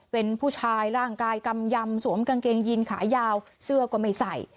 เป็นผู้ชายร่างกายกำยำสวมกางเกงยินขายาวเสื้อก็ไม่ใส่